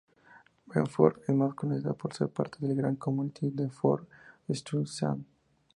Bedford es más conocido por ser parte de la gran comunidad Bedford-Stuyvesant.